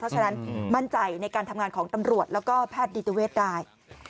เพราะฉะนั้นมั่นใจในการทำงานของตำรวจแล้วก็แพทย์ดิติเวศได้